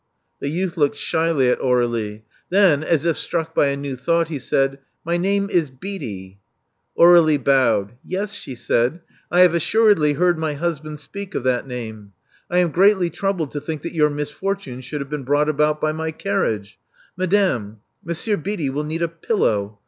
The youth looked shyly at Aur^lie. Then, as if struck by a new thought, he said, ''My name is — Beatty." Aurdlie bowed. Yes," she said, *•! have assuredly heard my husband speak of that name. I am greatly troubled to think that your misfortune should have been brought about by my carriage. Madame : Mon sieur Beatty will need a pillow.